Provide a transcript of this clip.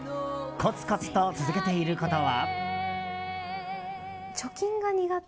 コツコツと続けていることは。